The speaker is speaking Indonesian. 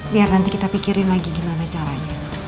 biar nanti kita pikirin lagi gimana caranya